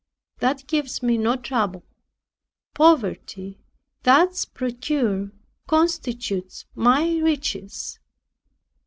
That gives me no trouble; poverty, thus procured, constitutes my riches.